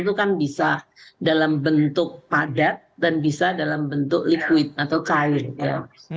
polutan bisa dalam bentuk padat dan bisa dalam bentuk liquid atau kain ya